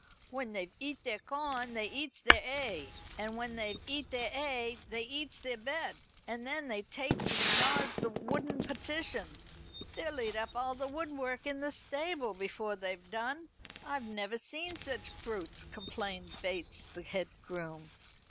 "When they've eat their corn they eats their 'ay, and when they've eat their 'ay they eats their bed, and then they takes and gnaws the wooden partitions. They'll eat up all the woodwork in the stable, before they've done. I never see such brutes," complained Bates, the head groom.